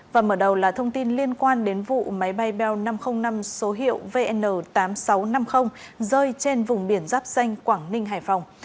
và mở đầu là thông tin liên quan đến vụ máy bay bong năm trăm linh năm số hiệu vn tám nghìn sáu trăm năm mươi rơi trên vùng biển giáp danh quảng ninh hải phòng